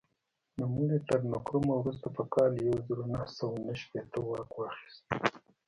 نوموړي تر نکرومه وروسته په کال یو زر نهه سوه نهه شپېته واک واخیست.